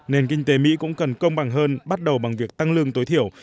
nền kinh tế mỹ cũng cần công bằng hơn bắt đầu bằng việc tăng lương tối thiểu